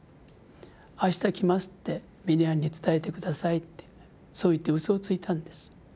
『明日来ます』ってミネヤンに伝えて下さい」ってそう言ってうそをついたんです。